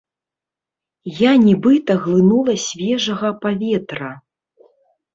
Я нібыта глынула свежага паветра.